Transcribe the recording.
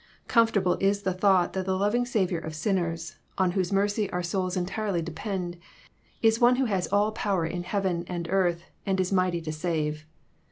Comfortable is the thought that the loving Saviour of sinners, on whose mercy our souls entirely depend, is one who has all power in heaven, and earth, and is mighty to sa/e.